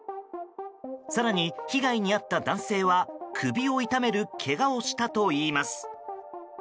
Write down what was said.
更に被害に遭った男性は首を痛めるけがをしたといいます。